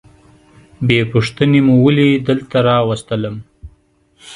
بې پوښتنې مو ولي دلته راوستلم؟